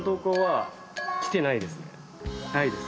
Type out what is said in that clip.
ないです。